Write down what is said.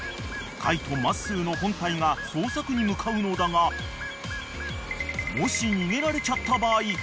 ［海人まっすーの本隊が捜索に向かうのだがもし逃げられちゃった場合